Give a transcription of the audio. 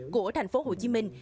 của thành phố hồ chí minh